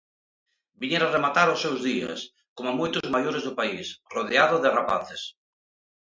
Viñera rematar os seus días, coma moitos maiores do país, rodeado de rapaces.